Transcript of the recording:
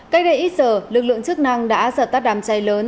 cách đây ít giờ lực lượng chức năng đã giật tắt đám cháy lớn